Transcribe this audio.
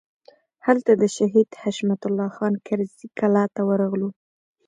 هلته د شهید حشمت الله خان کرزي کلا ته ورغلو.